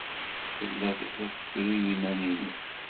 Tella la tettru i yiman-nnes.